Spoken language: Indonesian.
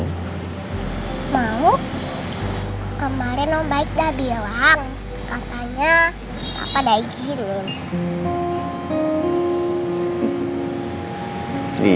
kemarin om baik dah bilang